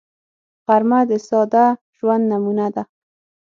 غرمه د ساده ژوند نمونه ده